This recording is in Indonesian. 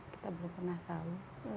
kita belum pernah tahu